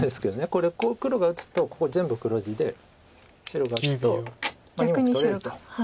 これ黒が打つとここ全部黒地で白が打つと２目取れると。